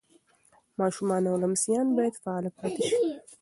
ماشومان او لمسیان باید فعاله پاتې شي.